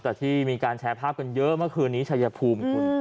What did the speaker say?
แต่ที่มีการแชร์ภาพกันเยอะเมื่อคืนนี้ชายภูมิคุณ